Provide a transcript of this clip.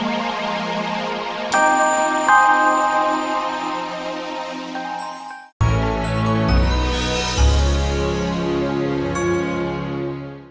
biar aku mencari minuman